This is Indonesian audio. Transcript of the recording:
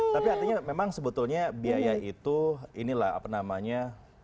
tapi artinya memang sebetulnya biaya itu inilah apa namanya